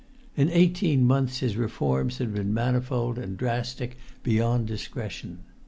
In eighteen months his reforms had been manifold and drastic beyond discretion.